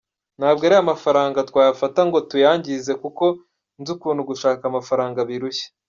Ntabwo ariya mafaranga twayafata ngo tuyangize kuko nzi ukuntu gushaka amafaranga birushya.